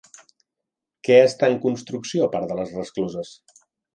Què està en construcció a part de les rescloses?